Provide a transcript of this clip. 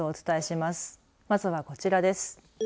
まずは、こちらです。